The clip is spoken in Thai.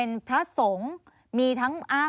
สวัสดีครับ